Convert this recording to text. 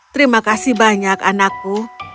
terima kasih banyak anakku